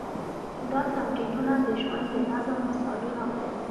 دا تمرینونه د ژوند د نظم مثالونه وو.